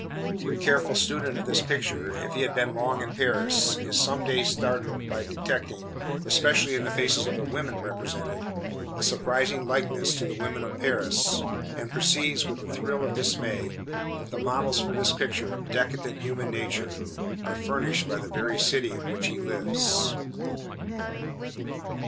The careful student of this picture, if he have been long in Paris, is some day startled by detecting, especially in the faces of the women represented, a surprising likeness to the women of Paris, and perceives, with a thrill of dismay, that the models for this picture of decadent human nature are furnished by the very city in which he lives.